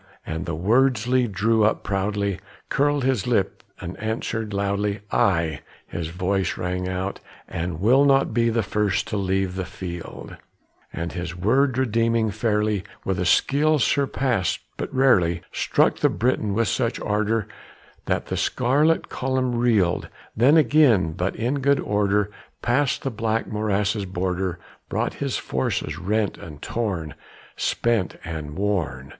At the words Lee drew up proudly, curled his lip and answered loudly; "Ay!" his voice rang out, "and will not be the first to leave the field;" And his word redeeming fairly, with a skill surpassed but rarely, Struck the Briton with such ardor that the scarlet column reeled; Then, again, but in good order, past the black morass's border, Brought his forces rent and torn, spent and worn.